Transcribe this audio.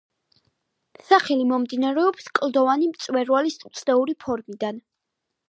სახელი მომდინარეობს კლდოვანი მწვერვალის უცნაური ფორმიდან.